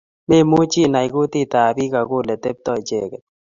Memuchii inaay kutitab biik ako oleteptoi icheget